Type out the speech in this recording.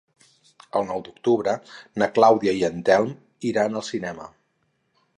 El nou d'octubre na Clàudia i en Telm iran al cinema.